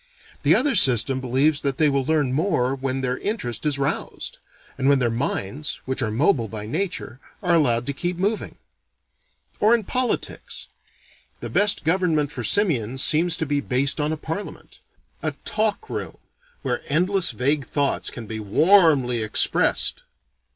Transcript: The other system believes they will learn more when their interest is roused; and when their minds, which are mobile by nature, are allowed to keep moving. Or in politics: the best government for simians seems to be based on a parliament: a talk room, where endless vague thoughts can be warmly expressed.